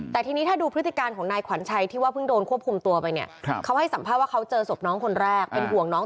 แต่ทีนี้ถ้าดูพฤติการของนายขวัญชัยที่ว่าเพิ่งโดนควบคุมตัวไปเนี่ยเขาให้สัมภาษณ์ว่าเขาเจอศพน้องคนแรกเป็นห่วงน้อง